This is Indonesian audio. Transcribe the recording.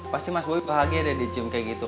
pasti mas bobi bahagia deh dicium kayak gitu